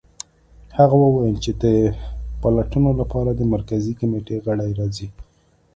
هغه وویل چې د پلټنو لپاره د مرکزي کمېټې غړي راځي